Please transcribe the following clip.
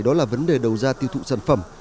đó là vấn đề đầu ra tiêu thụ sản phẩm